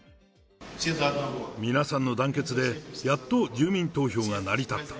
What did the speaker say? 皆さんの団結で、やっと住民投票が成り立った。